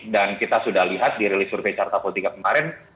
dan kita sudah lihat di rilis survei carta politika kemarin